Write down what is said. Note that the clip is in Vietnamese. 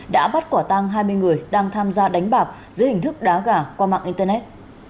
đã bắt quả tăng hai mươi người đang tham gia đánh bạc dưới hình thức đá gà qua mạng internet